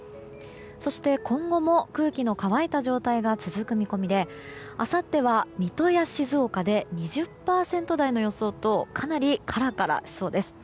そして、今後も空気の乾いた状態が続く見込みであさっては水戸や静岡で２０％台の予想とかなりカラカラしそうです。